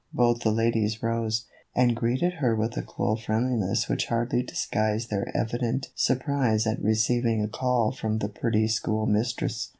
Both the ladies rose, and greeted her with a cool friendliness which hardly disguised their evident surprise at receiving a call from the pretty schoolmistress.